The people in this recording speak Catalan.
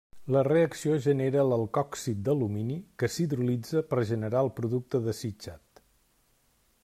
La reacció genera l'alcòxid d'alumini que s'hidrolitza per generar el producte desitjat.